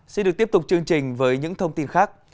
xin được tiếp tục chương trình với những thông tin khác